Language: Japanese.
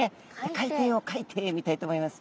海底を描いてみたいと思います。